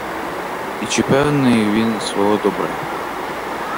І чи певний він свого добра?